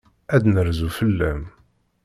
Ad d-nerzu fell-am.